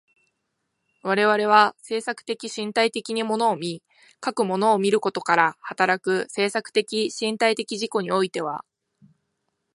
我々は制作的身体的に物を見、かく物を見ることから働く制作的身体的自己においては、